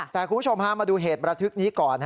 แต่คุณผู้ชมพามาดูเหตุประทึกนี้ก่อน